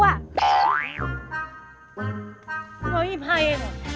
เฮ้ยไอ้พ่ายเอง